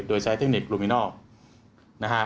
โดยใช้เทคนิคลูมินอล